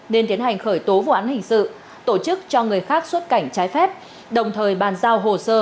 nên tiến hành khởi tố vụ án hình sự tổ chức cho người khác xuất cảnh trái phép đồng thời bàn giao hồ sơ